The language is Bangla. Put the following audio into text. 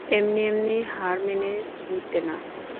এমনি-এমনিই হার মেনে নিতে না।